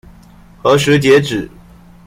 何時截止？